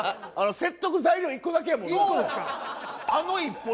「説得材料１個だけやもんな」